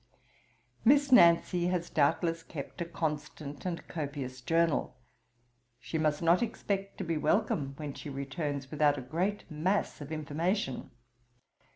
'Miss Nancy has doubtless kept a constant and copious journal. She must not expect to be welcome when she returns, without a great mass of information.